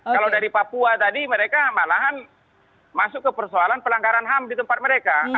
kalau dari papua tadi mereka malahan masuk ke persoalan pelanggaran ham di tempat mereka